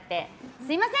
すみません！